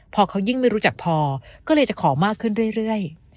พอเขายิ่งไม่รู้จักพอก็เลยจะขอมากขึ้นเรื่อย